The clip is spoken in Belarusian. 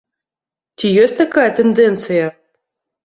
Ці ёсць такая тэндэнцыя?